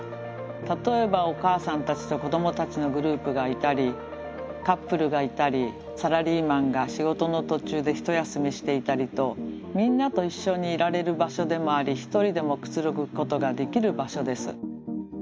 例えばお母さんたちと子どもたちのグループがいたりカップルがいたりサラリーマンが仕事の途中でひと休みしていたりとみんなと一緒にいられる場所でもありひとりでもくつろぐことができる場所です。